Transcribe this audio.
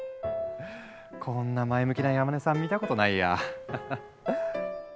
こんな前向きな山根さん見たことないや。